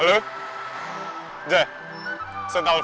ini udah berubah lagi sih